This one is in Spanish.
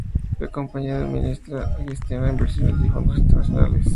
La compañía administra y gestiona inversiones y fondos internacionales bajo análisis matemáticos.